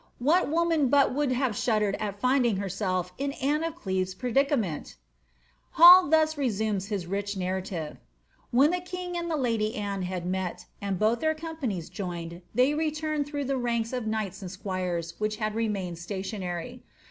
What woman but would have shuddered at iiuding herself in Anne of Cleves' predi cament ? Hall thus resumes his rich narrative :^^ When the king and the lady Anne had met, and both their companies joined, they returned through the ranks of knights and squires which had remained stationary.